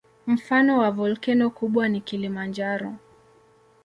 Mfano wa volkeno kubwa ni Kilimanjaro.